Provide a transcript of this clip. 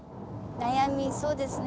悩みそうですね